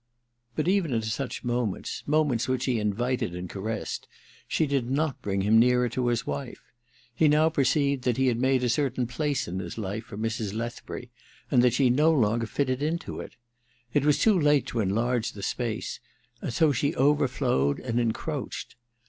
But even at such moments — moments which he invited and caressed — she did not bring him nearer to his wife. He now perceived that he had made a certain place in his life for Mrs. Lethbury, and that she no longer fitted into it. It was too late to enlarge the space, and so she overflowed and encroached.